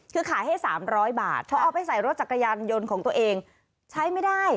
คือขายให้๓๐๐บาทพอเอาไปใส่รถจักรยานยนต์ของตัวเองใช้ไม่ได้